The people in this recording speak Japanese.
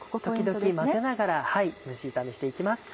時々混ぜながら蒸し炒めしていきます。